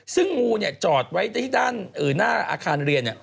ซึ่งงูจอดไว้ที่ด้านหน้าอาคารเรียน